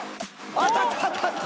当たった。